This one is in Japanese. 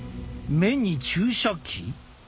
目に注射器！？